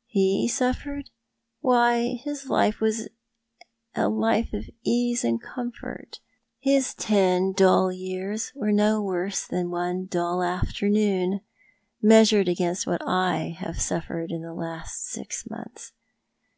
" He suffered? Why, his life was a life of ease and comfort — his ten dull years were no worse than one dull afternoon — measured against what I have suffered in the last six months.